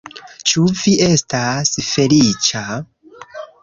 Ĉu vi estas feliĉa?